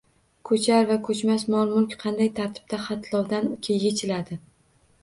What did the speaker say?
Ko‘char va ko‘chmas mol-mulk qanday tartibda xatlovdan yechiladi?